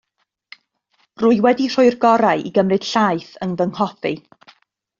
Rwy wedi rhoi'r gorau i gymryd llaeth yn fy nghoffi.